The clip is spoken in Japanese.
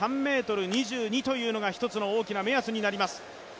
６３ｍ２２というのが１つの大きな目安になります。